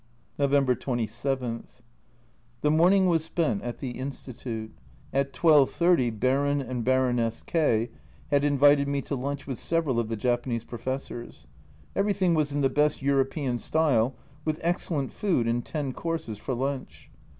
November 27. The morning was spent at the Institute; at 12.30 Baron and Baroness K had invited me to lunch with several of the Japanese pro fessors. Everything was in the best European style, with excellent food and ten courses for lunch